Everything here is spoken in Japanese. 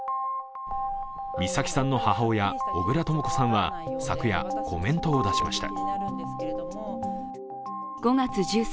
美咲さんの母親・小倉とも子さんは昨夜、コメントを出しました。